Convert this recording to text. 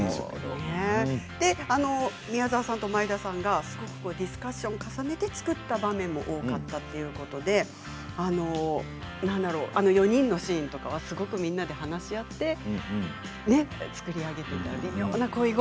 宮沢さんと前田さんディスカッションを重ねて作った場面も多かったそうで４人のシーンとかはすごくみんなで話し合って作り上げたと。